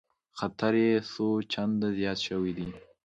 خطر یې څو چنده زیات شوی دی